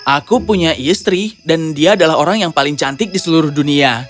aku punya istri dan dia adalah orang yang paling cantik di seluruh dunia